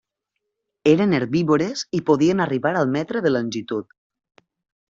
Eren herbívores i podien arribar al metre de longitud.